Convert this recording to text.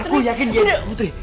aku yakin dia putri